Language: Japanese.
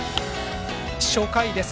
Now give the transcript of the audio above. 初回です。